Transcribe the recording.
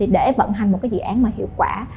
để vận hành một dự án hiệu quả